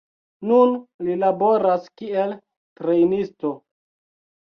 Nun li laboras kiel trejnisto.